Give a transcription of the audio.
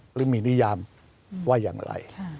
หรือมีนิยามว่าอย่างไร